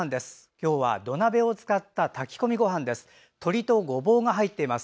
今日は土鍋を使った炊き込みごはんです。